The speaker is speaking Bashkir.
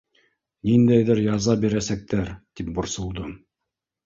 Ниндәйерәк яза бирәсәктәр, тип борсолдом.